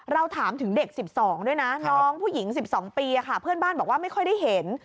เราถามถึงเด็ก๑๒ด้วยนะน้องผู้หญิง๑๒ปีเพื่อนบ้านบอกว่าไม่ค่อยได้เห็น